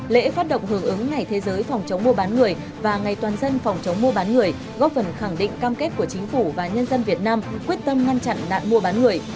lễ phát động hưởng ứng ngày thế giới phòng chống mua bán người và ngày toàn dân phòng chống mua bán người góp phần khẳng định cam kết của chính phủ và nhân dân việt nam quyết tâm ngăn chặn nạn mua bán người